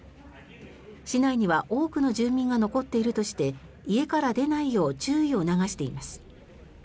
市内には多くの住民が残っているとして家から出ないよう注意を促しています。